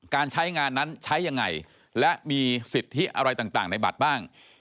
การใช้งานนั้นใช้ยังไงและมีสิทธิอะไรต่างในบัตรบ้าง